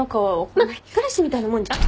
まっ彼氏みたいなもんじゃん。